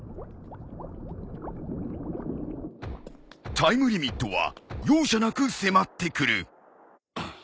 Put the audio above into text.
タイムリミットは容赦なく迫ってくる。